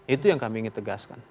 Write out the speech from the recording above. itu yang kami ingin tegaskan